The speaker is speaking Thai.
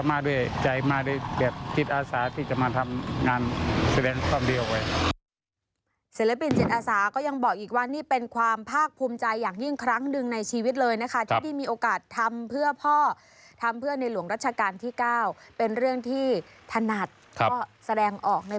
มาด้วยใจมาด้วยแบบจิตอาสาที่จะมาทำงานแสดงความดีเอาไว้